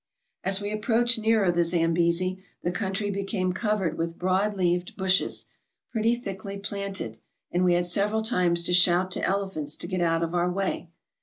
. As we approached nearer the Zambesi, the country be came covered with broad leaved bushes, pretty thickly planted, and we had several times to shout to elephants to get out of our way.